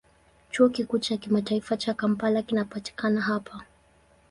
Chuo Kikuu cha Kimataifa cha Kampala kinapatikana hapa.